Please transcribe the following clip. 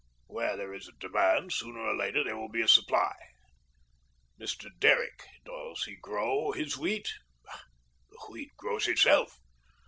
Where there is a demand sooner or later there will be a supply. Mr. Derrick, does he grow his wheat? The Wheat grows itself.